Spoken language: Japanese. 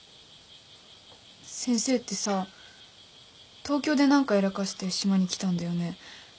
先生ってさ東京で何かやらかして島に来たんだよね？